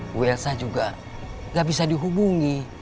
bu elsa juga gak bisa dihubungi